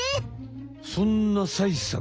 そんなサイさん